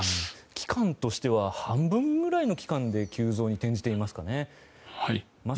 期間としては半分くらいの期間で急増に転じていますね。